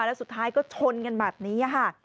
แล้วสุดท้ายก็ชนกันบัตรนี้